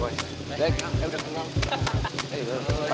be ayo ke tempat